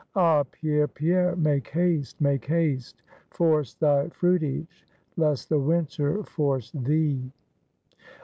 Ah, Pierre, Pierre, make haste! make haste! force thy fruitage, lest the winter force thee.